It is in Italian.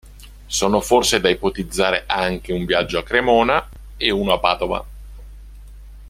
Sono forse da ipotizzare anche un viaggio a Cremona e uno a Padova.